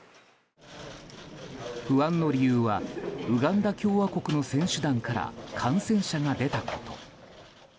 不安の理由はウガンダ共和国の選手団から感染者が出たこと。